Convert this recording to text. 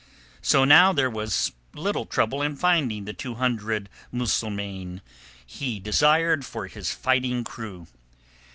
So now there was little trouble in finding the two hundred Muslimeen he desired for his fighting crew.